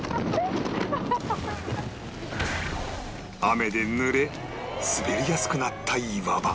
雨で濡れ滑りやすくなった岩場